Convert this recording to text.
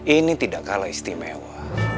ini tidak kalah istimewa